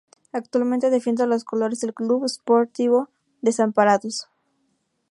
Actualmente defiende los colores del Club Sportivo Desamparados.